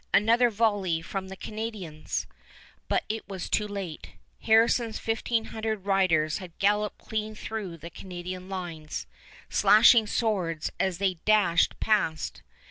Another volley from the Canadians! But it was too late. Harrison's fifteen hundred riders had galloped clean through the Canadian lines, slashing swords as they dashed past.